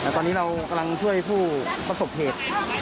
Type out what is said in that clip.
แต่ตอนนี้เรากำลังช่วยผู้ประสบเหตุ